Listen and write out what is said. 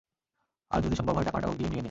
আর যদি সম্ভব হয়, টাকাটা অগ্রিম নিয়ে নে।